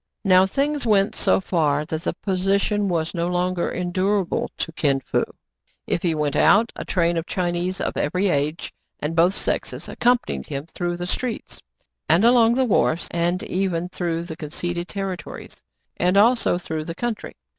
Now things went so far, that the position was no longer endurable to Kin Fo. ïf he went out, a train of Chinese of every age and both sexes accompanied him through the streets, and along the wharves, and even through the conceded ter ritories, and also through the country.